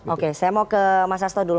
oke saya mau ke mas sasto dulu